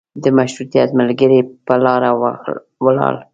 د مشروطیت ملګري په لاره ولاړل.